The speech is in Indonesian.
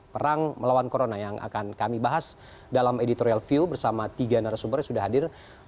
perang melawan corona yang akan kami bahas dalam editorial view bersama tiga narasumber yang sudah hadir